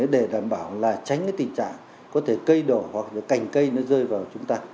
để đảm bảo là tránh cái tình trạng có thể cây đổ hoặc là cành cây nó rơi vào chúng ta